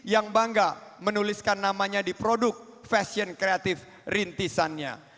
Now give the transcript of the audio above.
yang bangga menuliskan namanya di produk fashion kreatif rintisannya